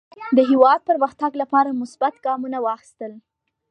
د هېواد پرمختګ لپاره مثبت ګامونه واخیستل.